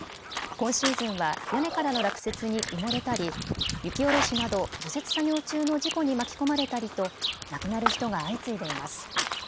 今シーズンは、屋根からの落雪に埋もれたり雪下ろしなど除雪作業中の事故に巻き込まれたりと亡くなる人が相次いでいます。